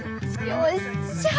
よっしゃ！